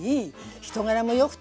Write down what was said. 人柄も良くてね